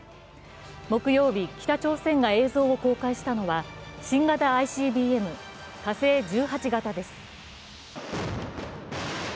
木曜日、北朝鮮が映像を公開したのは新型ＩＣＢＭ、火星１８型です。